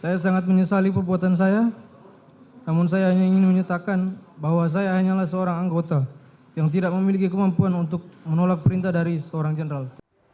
saya sangat menyesali perbuatan saya namun saya hanya ingin menyatakan bahwa saya hanyalah seorang anggota yang tidak memiliki kemampuan untuk menolak perintah dari seorang general